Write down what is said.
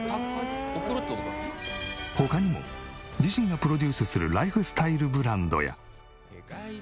他にも自身がプロデュースするライフスタイルブランドや。